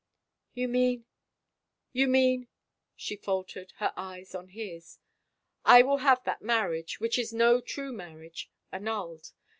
"You mean — you mean —?" she faltered, her eyes on his. " I will have that marriage — which is no true mar riage — annulled.